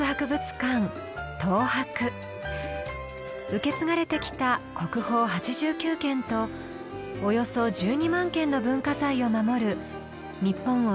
受け継がれてきた国宝８９件とおよそ１２万件の文化財を守る日本を代表する博物館です。